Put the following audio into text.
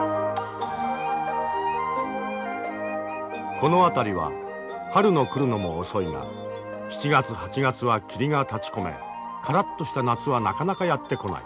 この辺りは春の来るのも遅いが７月８月は霧が立ちこめからっとした夏はなかなかやって来ない。